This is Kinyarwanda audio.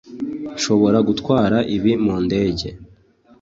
Nshobora gutwara ibi mu ndege